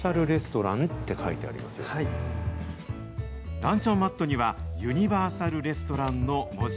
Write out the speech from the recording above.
ランチョンマットには、ユニバーサルレストランの文字。